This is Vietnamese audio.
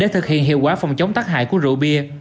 để thực hiện hiệu quả phòng chống tác hại của rượu bia